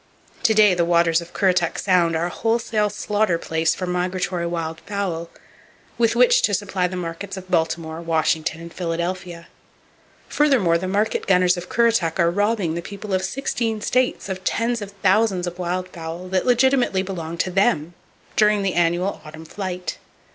To day the waters of Currituck Sound are a wholesale slaughter place for migratory wild fowl with which to supply the markets of Baltimore, Washington and Philadelphia. Furthermore, the market gunners of Currituck are robbing the people of 16 states of tens of thousands of wild fowl that legitimately belong to them, during the annual autumn flight.